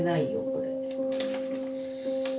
これ。